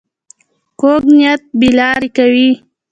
کوږ نیت بې لارې کوي